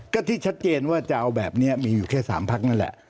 ก็ที่ชัดเจนว่าจะเอาแบบนี้มีอยู่แค่๓พักนั่นแหละ